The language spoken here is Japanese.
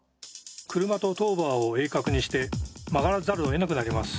車とトーバーを鋭角にして曲がらざるをえなくなります。